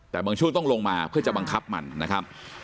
แต่บางช่วงต้องลงมาเพื่อจะบังคับมันนะครับ